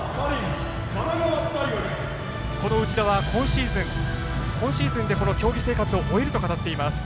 この内田は今シーズンで競技生活を終えると語っています。